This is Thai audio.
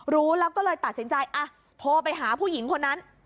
รู้แล้วก็เลยตัดสินใจโทรไปหาผู้หญิงคนนั้น